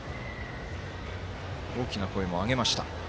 大きな声も上げました。